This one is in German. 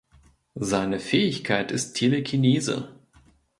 Seine Fähigkeit ist Telekinese.